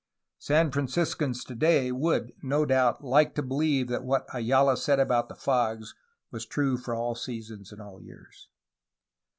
San Franciscans today would, no doubt, like to believe that what Ayala said about the fogs was true for all seasons and all years.